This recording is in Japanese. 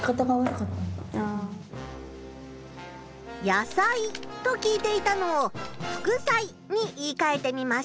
「野菜」と聞いていたのを「副菜」に言いかえてみました。